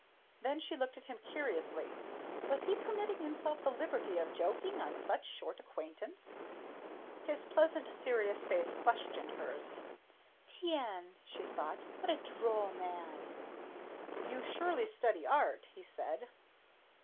Then she looked at him curiously. Was he permitting himself the liberty of joking on such short acquaintance? His pleasant serious face questioned hers. "Tiens," she thought, "what a droll man!" "You surely study art?" he said.